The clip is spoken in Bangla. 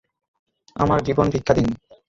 আমার জীবন ভিক্ষা দিন!